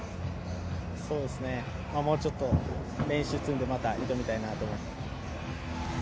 そうですね、もうちょっと練習積んでまた挑みたいなと思います。